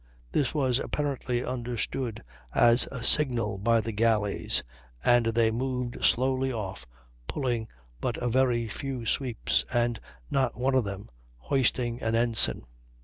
This was apparently understood as a signal by the galleys, and they moved slowly off, pulling but a very few sweeps, and not one of them hoisting an ensign.